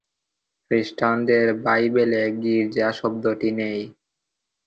খ্রিস্টানদের বাইবেলে গির্জা শব্দটি নেই।